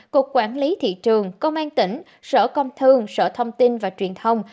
cục quản lý thị trường công an tỉnh sở công thương sở thông tin và truyền thông